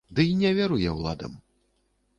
Ды і не веру я ўладам.